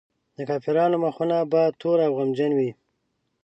د کافرانو مخونه به تور او غمجن وي.